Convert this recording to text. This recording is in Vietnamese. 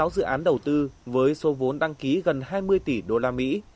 chín mươi sáu dự án đầu tư với số vốn đăng ký gần hai mươi tỷ đô la mỹ